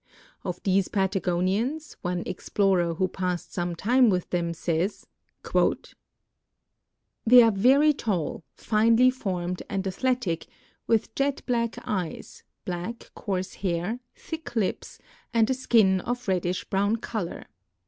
Of these Patagonians, one explorer who passed some time with them says : "They are very tall, finely formed, and athletic, with jet black eyes, black, coarse hair, thick lips, and a skin of reddish brown color.